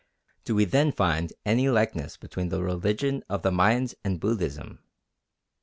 Do we then find any likeness between the religion of the Mayans and Buddhism?